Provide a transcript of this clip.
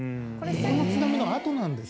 この津波のあとなんです。